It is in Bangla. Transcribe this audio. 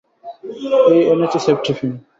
এই এনেছি সেফটিপিন।